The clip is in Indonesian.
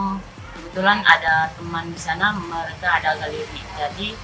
kebetulan ada teman di sana mereka ada keliru